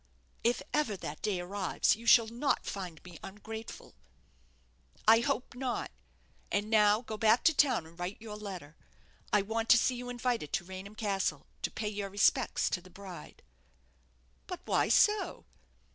"If ever that day arrives, you shall not find me ungrateful." "I hope not; and now go back to town and write your letter. I want to see you invited to Raynham Castle to pay your respects to the bride." "But why so?"